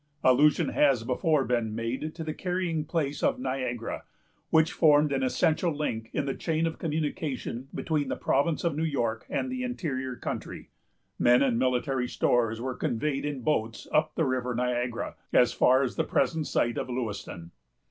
Allusion has before been made to the carrying place of Niagara, which formed an essential link in the chain of communication between the province of New York and the interior country. Men and military stores were conveyed in boats up the River Niagara, as far as the present site of Lewiston.